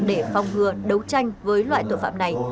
để phong hừa đấu tranh với loại tội phạm này